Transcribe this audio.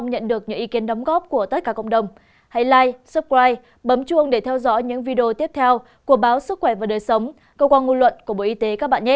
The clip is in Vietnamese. hẹn gặp lại các bạn trong những video tiếp theo của báo sức khỏe và đời sống cơ quan ngôn luận của bộ y tế